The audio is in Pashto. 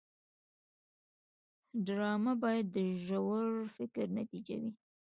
ډرامه باید د ژور فکر نتیجه وي